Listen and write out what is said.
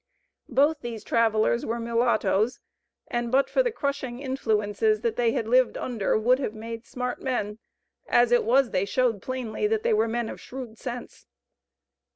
Both these travelers were mulattoes, and but for the crushing influences that they had lived under would have made smart men as it was they showed plainly, that they were men of shrewd sense.